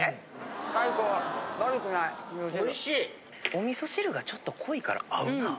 お味噌汁がちょっと濃いから合うなぁ。